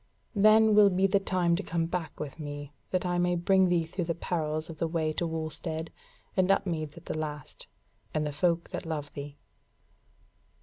Then will be the time to come back with me, that I may bring thee through the perils of the way to Wulstead, and Upmeads at the last, and the folk that love thee."